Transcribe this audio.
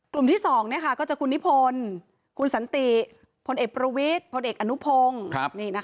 ที่๒ก็จะคุณนิพนธ์คุณสันติพลเอกประวิทย์พลเอกอนุพงศ์